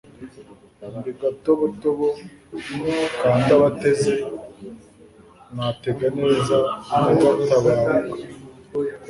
Ndi Gatobotobo ka Ndabateze natega neza ndagatabaruka